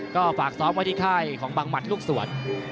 ก็ฝากซ้อมไว้ที่ค่ายของบังหมัดลูกสวน